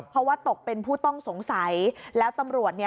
เพราะว่าตกเป็นผู้ต้องสงสัยแล้วตำรวจเนี่ย